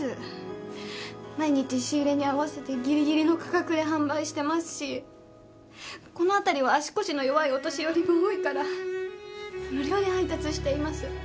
毎日仕入れに合わせてギリギリの価格で販売してますしこの辺りは足腰の弱いお年寄りも多いから無料で配達しています。